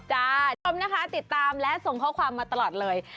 ชมนะคะติดตามและส่งข้อความมาตลอดเลย